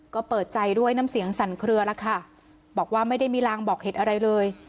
ก็เปิดใจด้วยน้ำเสียงสั่นเคลือแล้วค่ะบอกว่าไม่ได้มีรางบอกเหตุอะไรเลย